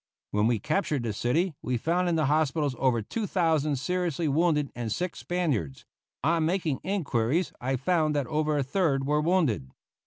When we captured the city we found in the hospitals over 2,000 seriously wounded and sick Spaniards; on making inquiries, I found that over a third were wounded.